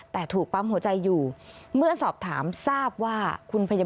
พาพนักงานสอบสวนสนราชบุรณะพาพนักงานสอบสวนสนราชบุรณะ